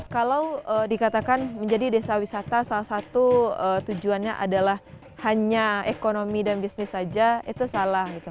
kalau dikatakan menjadi desa wisata salah satu tujuannya adalah hanya ekonomi dan bisnis saja itu salah gitu